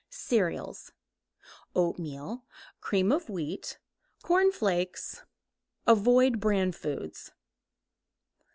Cereals. Oatmeal, Cream of Wheat, Corn Flakes. Avoid bran foods.